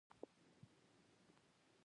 مېز د کتابتون زړه دی.